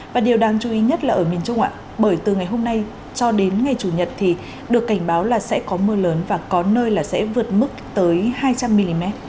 và điều đáng chú ý nhất là ở miền trung ạ bởi từ ngày hôm nay cho đến ngày chủ nhật thì được cảnh báo là sẽ có mưa lớn và có nơi là sẽ vượt mức tới hai trăm linh mm